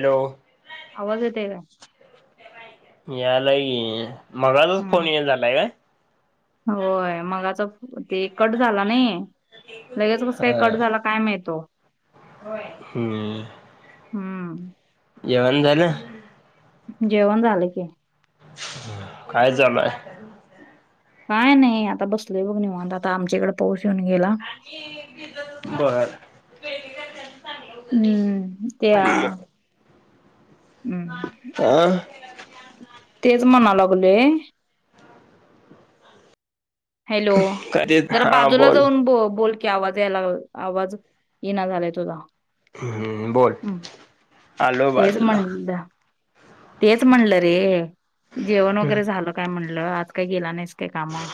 Hello. आवाज येतोय काय? यायलय की मगाचा हम्म फोन ये झालाय काय? होय मगाचा ते कट झाला नाही. लगेच कसं काय हा कट झाला काय माहीत? हम्म. हम्म. जेवण झालं? जेवण झालं की. काय चालू आहे? काय नाही आता बसलोय बघ निवांत, आता आमच्याकडे पाऊस येऊन गेला. बरं. हम्म त्या [unintelligible] हम्म आं? तेच म्हणालागलोय. हॅलो कधी जरा हा बाजूला बोल जाऊन ब बोल की आवाज यालाग, आवाज येईना झालाय तुझा हम्म्म बोल, हम्म आलो तेच बाजूला. म्हणलं तेच म्हणलं रे, जेवण वगैरे झालं काय म्हणलं. ल आज काय गेला नाहीस काय कामा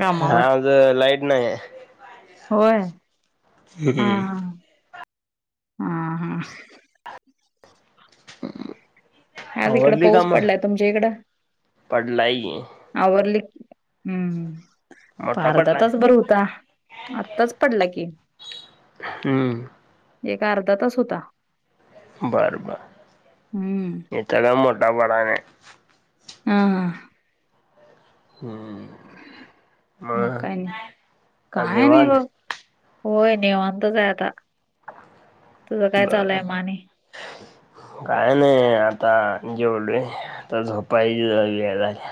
कामावर आज लाईट नाही. होय. हम्म. हां हां. आज इकडं आवरली पाऊस कामं पडलाय तुमच्या इकडं. पडलाय की आवरलं की हम्म. मोठा अर्धा पडलाय तास भर होता आत्ताच पडला की. हम्म. एक अर्धा तास होता. हम्म बरबर इथं काय मोठा पडाय नाही. हा हा. हम्म. मग काय नाही, आज काय नाही निवांत बघ. होय निवांतच आहे आता, तुझं काय चालू बर आहे म आणि काय नाही आता जेवलोय, आता झोपायची वेळ झाल्या.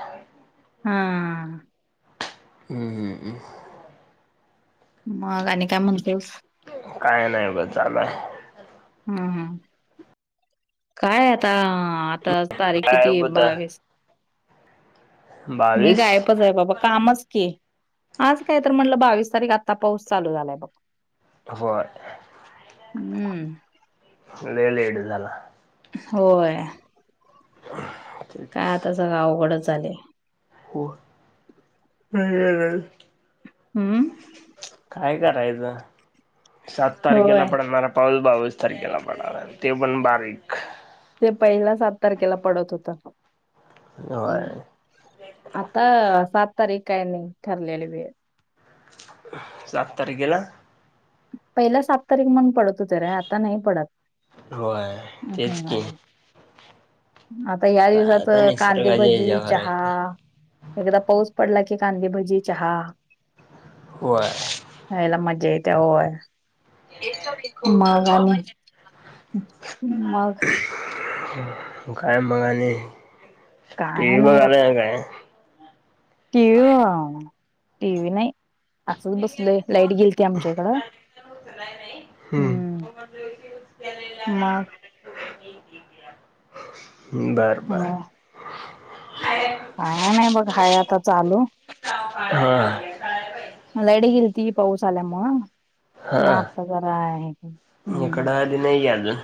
हां हां. हम्म हम्मम. मग आणि काय म्हणतोस? काय नाही ब चालू हाय. हम्म काय आता आ आता तारीख काय किती बता बावीस मी बावीस गायपच आहे बाबा कामच की. आज काय तर म्हटलं बावीस तारीख, आता पाऊस चालू झालाय बघ. होय. हम्म लई लेट झाला. होय. काय आता सगं अवघडच झाले हो ह हम्म काय करायचं सात तारखेला होय पडणार पाऊल बावीस तारखेला पडणार ते पण बारीक पहिला सात तारखेला पडत होत हम् होय आता सात तारीख काय नाही ठरलेले बिर सात तारखेला पहिल्या सात तारीख म्हणून पडतो र आता नाही पडत्् होय तेच की. आता ह्या काय दिवसात आता निसर्गाच्या कांदेभजी हेच्यावर आहे चहा ते. एकदा पाऊस पडला की कांदेभजी चहा होय यायला मजा येते त्यावयग मग काय बघाणे काय टी व् बघाला काय हम् टी व टीवि नाही असंच बसलय लाईट गेल ते आमच्या इकडं हम्म मग बरं बरं हम्म, काय नाही बघ हाय आता चालू हा म ॅडी गे तती पाऊस आल्या मग मग आता जरा आहे हम्म एकडधी नाही अजून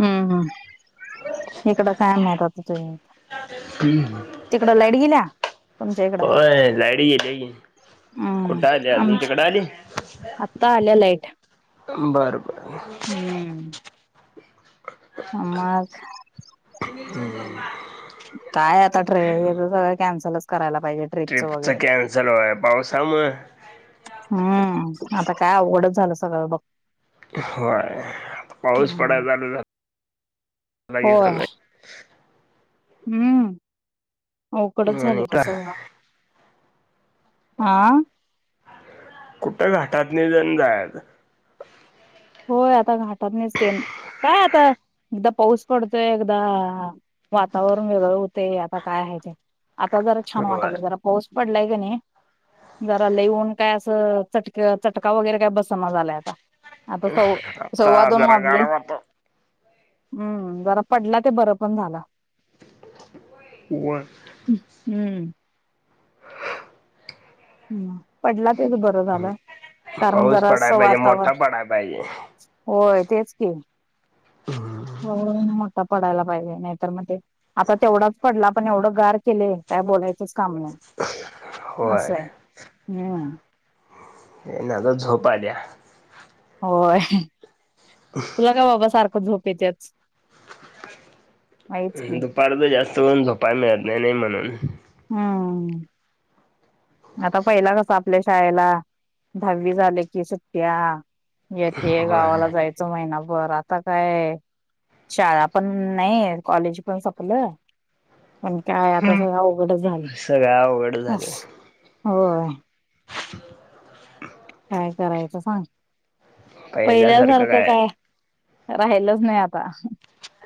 हम्म हम्म इकड कायम आहेेतत ज तिकडं लाईट गेल्या तुमच्या इकडं होय लाईट गेली हम्म कुठं आली अजून तिकडं आली आमच्या आता आल्या लाईट बरर हम्म आ मघ हेच सगळं कॅन्सलच करायला पाहिजे ट्रिपच ट्रीपच वगैरे कॅन्सल होय पावसाम [inaudible] हम्म आता काय अवघडच झालं सगळं बघ होय पाऊस पड हम्म चालेल तर लागे झा होय हम्म उकडच झाली आणि कस का आा कुठे घाटात निजण जायत होय आता घाटात नसते काय आता एकदा पाऊस पडतोय एकदा वातावरण वेगळं होते आता काय आहे ते आता जरा छान होय वाटालं जरा पाऊस पडलाय आहे का नाही जरा लिहन काय असं चटक चटका वगैरे काय बसना झालाय आता आता सव आता सव्वा दोन जरा वाजले गारवात हम्म जरा पडला ते बरं पण झालं [inaudible] हम्म हम्म पडला तेच बरं झालं कारण पाऊस जरा पडाय असं पाहिजे वातावरण मोठा पडाय पाहिजे होय तेच के ह ह [inaudible] हो मोठा पडायला पाहिजे नाहीतर मग ते आता तेवढाच पडला पण एवढं गार केले त्या बोलायचच काम नाही होय असं आहे हम्म ये नग झोप अल्या होय तुला का बाबा सारखं झोप येत्याच दुपार तर जास्त होन झोपा मिळत नाही नाही म्हणून हम्म आता पहिला कसा आपल्या शाळेला दहावी झाले की सुट्ट्या येते होय. गावाला जायच महिना बरं आता काय शाळा पण नाही कॉलेज पण सपलं पण काय आता सगळ उघडच झाले सगळं अवघड झालय होय ह [inaudible] काय करायचं सांग पहिल्या सारखं काय राहिलच नाही आता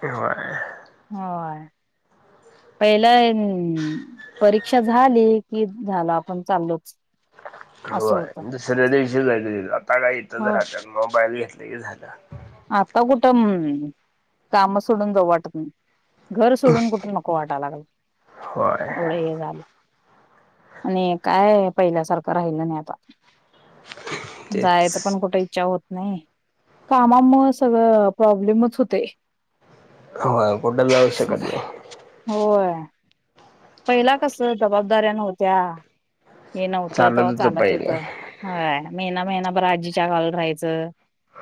होय होय पहिला परीक्षा झाली कि झाल आपण चाललोच [inaudible] असं होतं दुसऱ्या दिवशी जा आता काय इथं ज हो. आता मोबाईल घेतलं की झालं आता कुठंम् काम सोडून जाऊ वाटत घर सोडून कुठे नको वाटायला लागलं होय एवढे हे झाले आणि काय पहिल्या सारखं राहिल नाही आता जायच तेच पण कुठे इच्छा होत नाही कामा सगळं प्रॉब्लेमच होते होय कुठं जाऊ कस शकत काय नाही होय पहिला कस जबाबदाऱ्या नव्हत्या हे नव्हतं तेव्हा होतं चालत होत पहिले हय मेना मेना ब आजीच्या घाल राहायचं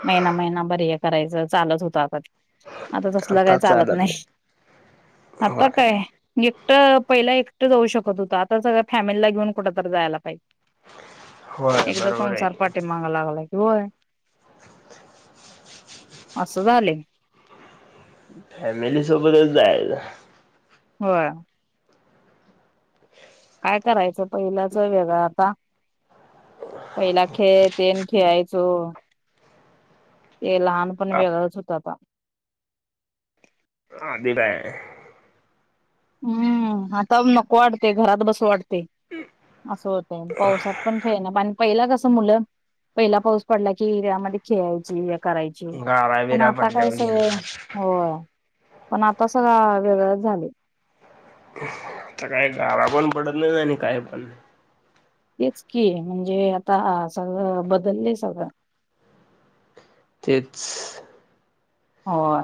महिना महिना बर आहे करायचं चालत होतं अग आता तसलं काय चालत नाही आता होय काय एकटं पहिला एकट जाऊ शकत होत आता सगळ फॅमिलीला घेऊन कुठरी जायला होय पाहिजे एकदा बरोबर आहे संसार की पाटे मागा लागलाय होय असं झाले फॅमिली सोबतच जायच हो काय करायचं पहिल्याच वेगळा आता पहिला खेळ तेन खेळायचो ते लहानपण आ वेगळाच होत आता अला [inaudible] हम्म आता नको वाटते घरात बस वाटते असं होतंय पावसात पण फे ना पाण पहिला कसं मुलं पहिला पाऊस पडला कि यामध्ये खेळायची करायची गारा पण बिरा आता काय पडल्यावर सगळ घेणार हो पण आता सगळं वेगळंच झाले आता काय गारा पण पडत नाही आणि काय पण तेच की म्हणजे आता सगळं बदलले सगळं तेच.. होय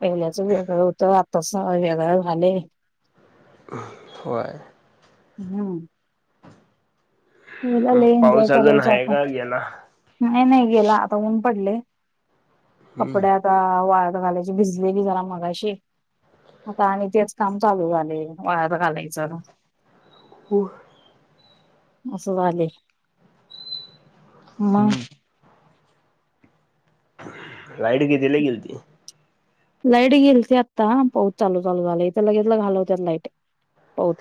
पहिल्याच वेगळं होतं आताच वेगळं झालय [inaudible] होय हम्म पहिला मग लय एन्जॉय पाऊस अजून करायचो आहे आपण का गेला नाही- नाही गेला आता पडलय कपडे आता वाळत घालायची भिजलेली जरा मघाशी आता आणि तेच काम चालू झालय वायात घालायचं व [unintelligible] असं झालंय म लाईट कितीला गेलती? लाईट गेलती आता पाऊच चालू- चालू झालय इथ लगेच घालवत्यात लाईट पाऊच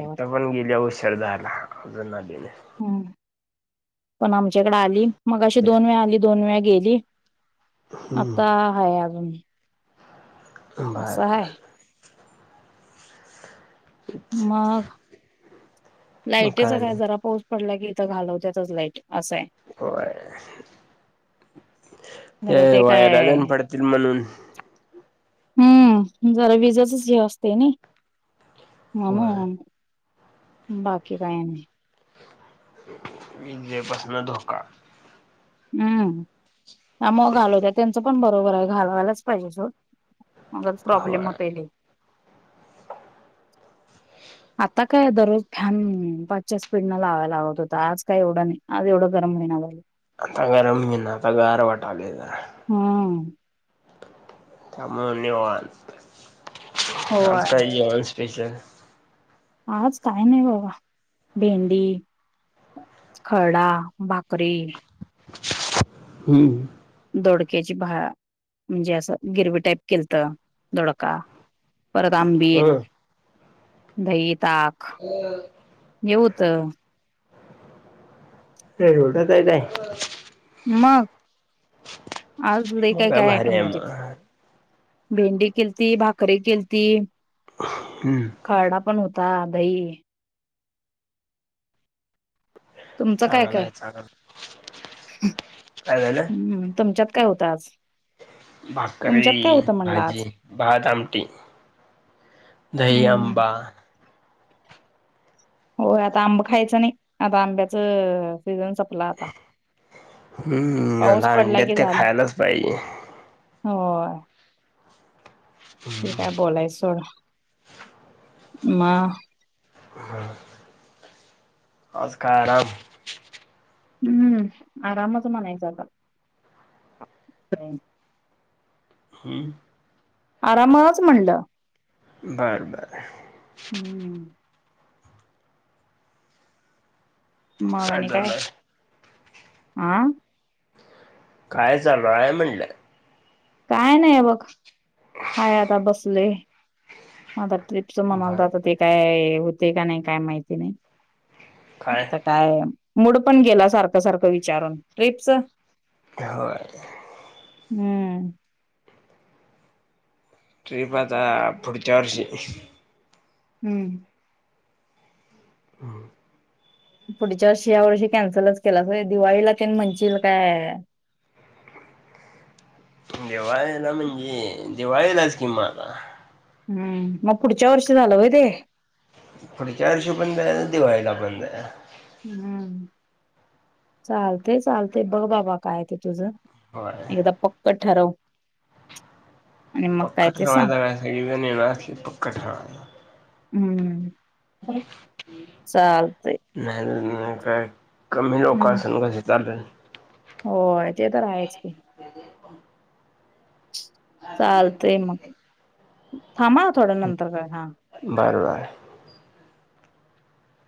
इथ पण गेल्या उशर झाला अजून आली नाही हम्म पण आमच्याकडे आली मगाशी दोन वेळा आली दोन वेळा गेली हम्म आता - आहे अजून बर असं हाय -बर मग मग लाईटेच आणि काय जरा पाऊस पडला की इथं घालवत्यातच लाईट असं आहे. होय.. ते नाही वायरा काय तेन पडतील म्हणून हम्म जरा विजेचच हे असतय नय होय म्हणून बाकी काय नाय [unintelligible] विजेपासन धोका हम्म त्या मुळ घालवत्यात त्यांचं पण बरोबर आहे घालवायलाच पाहिजे सोड उगाच प्रॉब्लेम होय होतय लय आता काय दररोज फॅन पाचच्या स्पीड न लावायला लावत होता आज काय एवढं नाही आज एवढं गरम होईना झालंय आता गरम होईना आता गार वाटालय जरा हम्म त्यामुळं निवांत [unintelligible] होय आज काय जेवण स्पेशल आज काय नाही बाबा भेंडी खरडा, भाकरी [unintelligible] हम्म दोडक्याची भा- म्हणजे असं गिरवी टाईप केलत- दोडका परत आंबील, हम्म दही, ताक त [unintelligible] तेवढं काय नाय मग- आज‌ लय मग काय -काय भारी आयटम आहे होतीत मग भेंडी केलती भाकरी केलती हम्म खरडा- पण होत ता-दही तुमचं काय- चांगला काय आहे चांगला काय झालं -हम्म.. तुमच्यात काय होतं आज भाकरी, तुमच्यात काय होतं म्हणलं भाजी, आज? भात, आमटी दही, हम्म आंबा होय आता आंब खायच नाही आता आंब्याचं.. सीझन संपला आता हम्म.. पाऊस आता पडला आणल्यात की तर झाला. खायलाच पाहिजे.. होय.. ते काय बोलायचं सोड म हं.. आज काय आराम? हम्म आरामच मनायच आता हम्म आरामच म्हणलं बर -बर हम्म मग आणि चालू काय आहे हं काय चाललंय म्हणलंय काय नाही बघ हय आता बसले आता ट्रिपस बर म्हणालता तर ते काय होते का नाही काय माहिती नाही तर काय मूड पण गेला सारखं सारखं विचारून ट्रीपच हो हम्म ट्रीप आता पुढच्या वर्ष. हम्म ह [unintelligible] पुढच्या वर्षी या वर्षी कॅन्सलच केला व्हय दिवाळीला ते म्हणशील काय दिवाळेला म्हणजे दिवाळीलाच किंवा आता हम्म मग पुढच्या वर्षी झालं होय ते? पुढच्या वर्षी पण द्या ना दिवाळीला पण द हम्म चालते चालते बघ बाबा काय ते तुझं होय एकदा पक्क ठरव. आणि मग पक्क काय ते सांग ठरवायचा काय [unintelligible] हम्म चालतय. आणि काय? कमी लोकासंग हो ते तर आहेच की चालते मग थांबा थोड्या नंतर काय हा. बरं बर